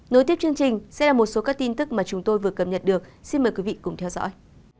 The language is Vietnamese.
nối tiếp chương trình sẽ là một số các tin tức mà chúng tôi vừa cập nhật được xin mời quý vị cùng theo dõi